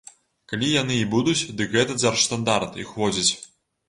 Калі яны і будуць, дык гэта дзяржстандарт іх уводзіць.